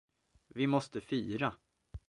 Vi måste fira!